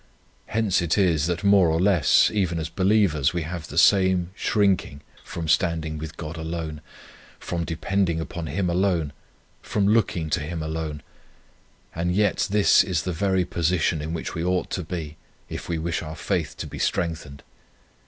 Hence it is, that more or less, even as believers, we have the same shrinking from standing with God alone, from depending upon Him alone, from looking to Him alone: and yet this is the very position in which we ought to be, if we wish our faith to be strengthened.